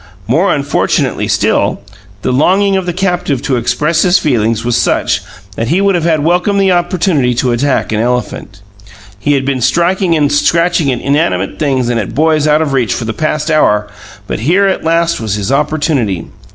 More unfortunately still, the longing of the captive to express his feelings was such that he would have welcomed the opportunity to attack an elephant. He had been striking and scratching at inanimate things and at boys out of reach for the past hour; but here at last was his opportunity.